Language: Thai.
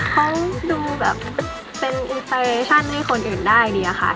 เขาดูแบบเป็นอีแฟชั่นให้คนอื่นได้ดีอะค่ะ